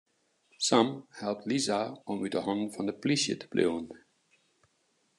Sam helpt Lisa om út 'e hannen fan de plysje te bliuwen.